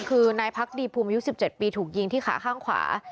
คือนายพักดีภูมิอายุ๑๗ปีถูกยิงที่ขาข้างขวา